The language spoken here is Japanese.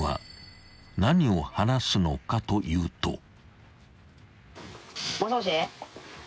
［何を話すのかというと］